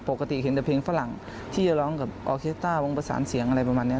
ปกติเห็นแต่เพลงฝรั่งที่จะร้องกับออเคสต้าวงประสานเสียงอะไรประมาณนี้